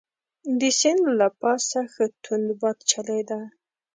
د سیند له پاسه ښه توند باد چلیده.